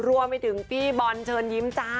รวมไปถึงพี่บอลเชิญยิ้มจ้า